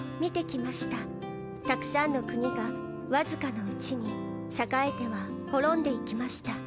たくさんの国がわずかのうちに栄えては滅んでいきました。